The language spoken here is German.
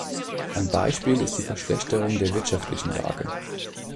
Ein Beispiel ist die Verschlechterung der wirtschaftlichen Lage.